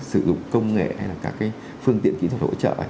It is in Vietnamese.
sử dụng công nghệ hay là các phương tiện kỹ thuật hỗ trợ